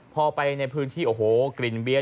พอไปในพื้นที่โอ้โหกลิ่นเบียน